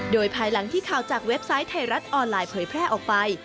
โดยภายหลังที่ข่าวจากเว็บไซต์ไทยรัฐออนไลน์เผยแพร่ออกไป